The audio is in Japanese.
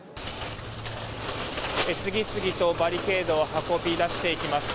次々とバリケードを運び出していきます。